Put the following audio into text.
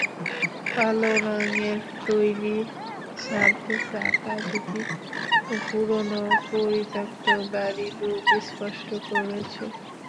কালো রঙের তৈরি সারফেসে আঁকিবুঁকি পুরোনো পরিত্যক্ত বাড়ির রূপ স্পষ্ট করেছে।